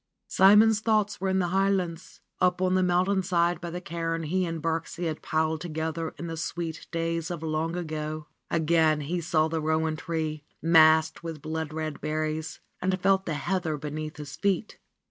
Simon's thoughts were in the Highlands, up on the mountainside by the cairn he and Birksie had piled together in the sweet days of long ago. Again he saw the rowan tree, massed with blood red berries, and felt the heather beneath his feet.